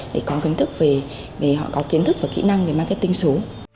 để có kiến thức về họ có kiến thức và kỹ năng về marketing số